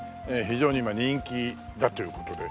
非常に今人気だという事で。